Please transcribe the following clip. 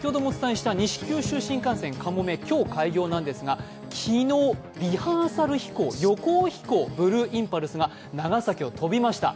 西九州新幹線かもめ、今日開業なんですが、昨日、リハーサル飛行、予行飛行、ブルーインパルスが長崎を飛びました。